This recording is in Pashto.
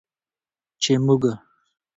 چې موږ